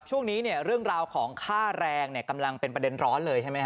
ช่วงนี้เนี่ยเรื่องราวของค่าแรงกำลังเป็นประเด็นร้อนเลยใช่ไหมฮ